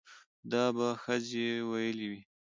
دا به ښځې ويلې وي